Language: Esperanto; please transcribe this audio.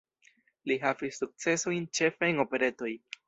Li havis sukcesojn ĉefe en operetoj.